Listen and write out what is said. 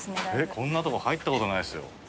こんなとこ入ったことないですよ。